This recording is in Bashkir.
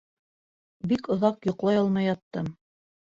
Бик оҙаҡ йоҡлай алмай яттым.